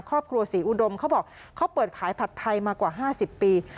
ครอบครัวศรีอุดมเขาบอกเขาเปิดขายผัดไทยมากว่า๕๐ปี